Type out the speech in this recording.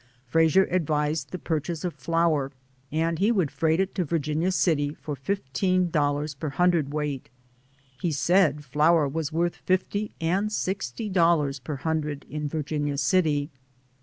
Frasier advised the purchase of flour, and he would freight it to Virginia City for fif teen dollars per cwt. He said flour was worth fifty and sixty dollars per hundred in Virginia City.